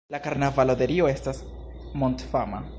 La karnavalo de Rio estas mondfama.